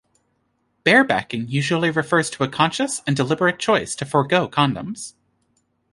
"Barebacking" usually refers to a conscious and deliberate choice to forgo condoms.